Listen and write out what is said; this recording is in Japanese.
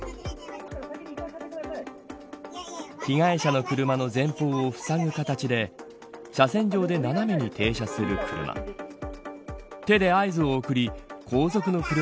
被害者の車の前方をふさぐ形で車線上で斜めに傾斜する車。